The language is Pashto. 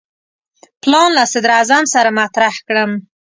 پلان له صدراعظم سره مطرح کړم.